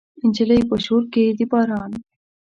نجلۍ په شور کې د باران